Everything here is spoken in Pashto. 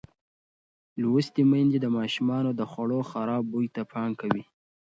لوستې میندې د ماشومانو د خوړو خراب بوی ته پام کوي.